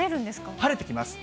晴れてきます。